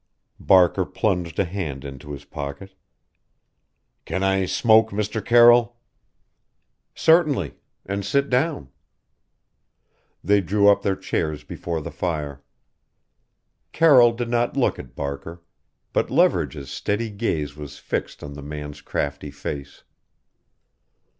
Barker plunged a hand into his pocket. "Can I smoke, Mr. Carroll?" "Certainly. And sit down." They drew up their chairs before the fire. Carroll did not look at Barker, but Leverage's steady gaze was fixed on the man's crafty face.